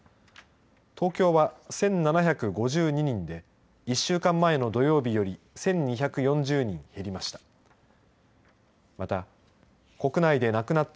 東京は１７５２人で１週間前の土曜日より１２４０人減りました。